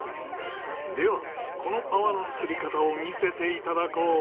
ではこの泡の作り方を見せていただこう。